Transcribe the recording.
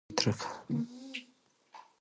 هغه تورې سترګې ترکه